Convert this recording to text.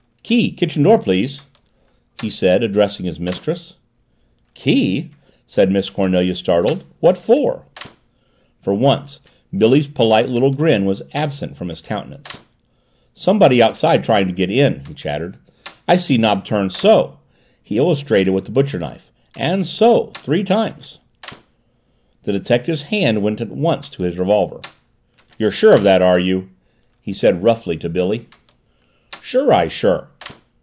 "Key, kitchen door, please!" he said, addressing his mistress. "Key?" said Miss Cornelia, startled. "What for?" For once Billy's polite little grin was absent from his countenance. "Somebody outside trying to get in," he chattered. "I see knob turn, so," he illustrated with the butcher knife, "and so three times." The detective's hand went at once to his revolver. "You're sure of that, are you?" he said roughly to Billy. "Sure, I sure!"